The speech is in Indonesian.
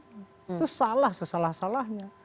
itu salah sesalah salahnya